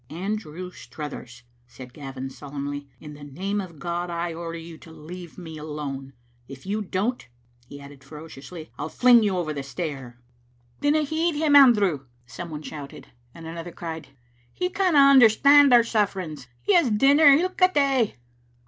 "Andrew Struthers," said Gavin solemnly, "in the name of God I order you to leave me alone. If you don't, ' be added ferociously, " I'll fling you over the stair." Digitized by VjOOQ IC M tR>e xmie Afntoter* ^^Dinna heed him, Andrew," some one shouted, and another cried, "He canna understand our suflEerings; he has dinner ilka day."